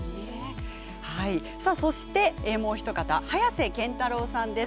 そして、もうお一方早瀬憲太郎さんです。